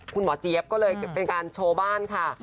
ก็เลยเลี่ยงเป็นการโชว์การบ้านค่ะ